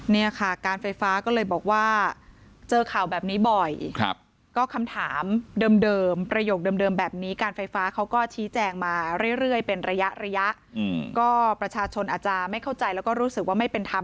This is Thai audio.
เนี่ยค่ะการไฟฟ้าก็เลยบอกว่าเจอข่าวแบบนี้บ่อยก็คำถามเดิมประโยคเดิมแบบนี้การไฟฟ้าเขาก็ชี้แจงมาเรื่อยเป็นระยะระยะก็ประชาชนอาจจะไม่เข้าใจแล้วก็รู้สึกว่าไม่เป็นธรรม